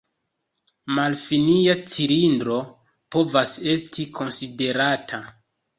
Malfinia cilindro povas esti konsiderata.